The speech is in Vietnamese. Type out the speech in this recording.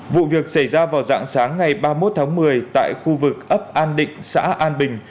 vụ việc xảy ra vào dạng sáng ngày ba mươi một tháng một mươi tại khu vực ấp an định xã an bình